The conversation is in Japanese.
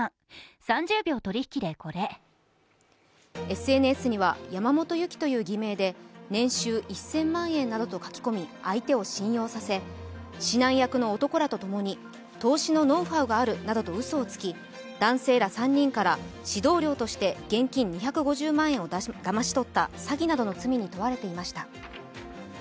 ＳＮＳには山本ゆきという偽名で、年収１０００万円などと書き込み、相手を信用させ指南役の男らとともに、投資のノウハウがあるなどとうそをつき男性ら３人から指導料として現金２５０万円をだまし取った詐欺などの罪に問われていました。